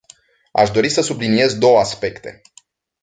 Aș dori să subliniez două aspecte.